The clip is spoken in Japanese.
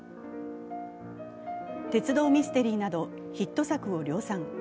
鉄道ミステリーなどヒット作を量産。